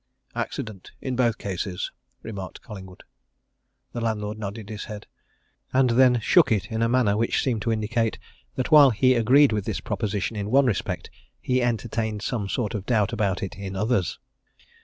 "Accident in both cases," remarked Collingwood. The landlord nodded his head and then shook it in a manner which seemed to indicate that while he agreed with this proposition in one respect he entertained some sort of doubt about it in others.